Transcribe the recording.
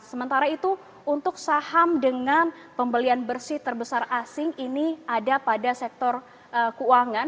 sementara itu untuk saham dengan pembelian bersih terbesar asing ini ada pada sektor keuangan